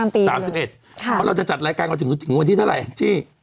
เพราะเราจะจัดรายการเราถึงวันที่เท่าไหร่จี้